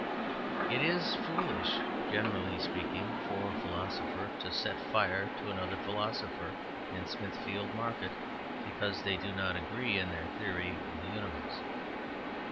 It is foolish, generally speaking, for a philosopher to set fire to another philosopher in Smithfield Market because they do not agree in their theory of the universe.